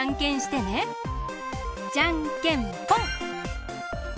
じゃんけんぽん！